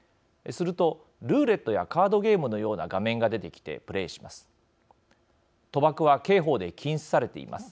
すると、ルーレットやカードゲームのような画面が出てきて、プレイします。